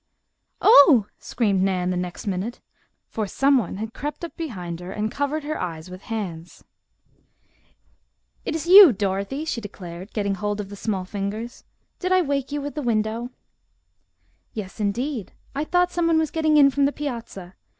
"Oh!" screamed Nan the next minute, for someone had crept up behind her and covered her eyes with hands. "It is you, Dorothy!" she declared, getting hold of the small fingers. "Did I wake you with the window?" "Yes, indeed, I thought someone was getting in from the piazza.